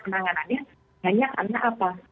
penanganannya hanya karena apa